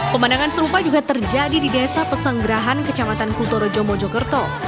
pemandangan serupa juga terjadi di desa pesenggerahan kecamatan kuto rejo mojokerto